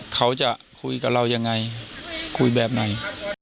กับเรายังไงคุยแบบไหน